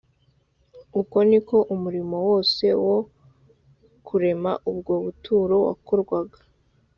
uko ni ko umurimo wose wo kurema ubwo buturo wakorwaga